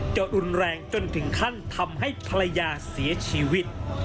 รุนแรงจนถึงขั้นทำให้ภรรยาเสียชีวิต